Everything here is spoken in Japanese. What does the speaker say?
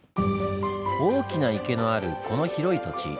大きな池のあるこの広い土地。